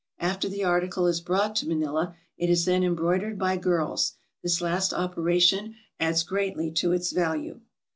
After the article is brought to Manila, it is then embroidered by girls ; this last operation adds greatly to its value.